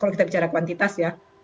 kalau kita bicara kuantitas ya